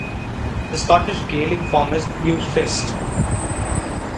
The Scottish Gaelic form is "Uilepheist".